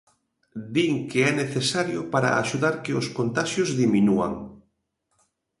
Din que é necesario para axudar que os contaxios diminúan.